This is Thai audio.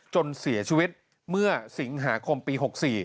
จนเสียชีวิตเมื่อสิงหาคมปี๖๔